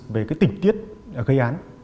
về cái tỉnh tiết gây án